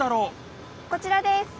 こちらです！